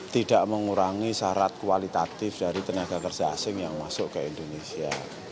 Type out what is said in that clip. tidak mengurangi syarat kualitatif dari tenaga kerja asing yang masuk ke indonesia